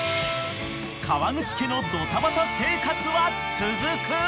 ［河口家のドタバタ生活は続く］